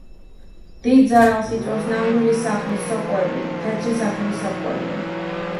დიდ ზარალს იწვევს ნამდვილი სახლის სოკოები, თეთრი სახლის სოკოები.